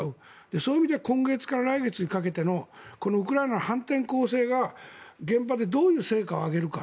そういう意味では今月から来月にかけてのこのウクライナの反転攻勢が現場でどういう成果を上げるか。